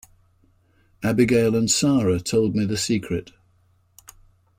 Abigail and Sara told me the secret.